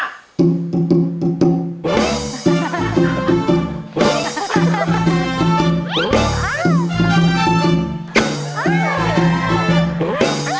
เฮ่ย